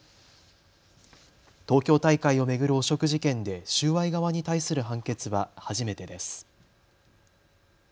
東京大会を巡る汚職事件で収賄側に対する判決は初めてです。